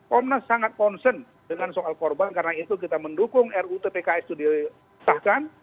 komnas sangat concern dengan soal korban karena itu kita mendukung rutpks itu disahkan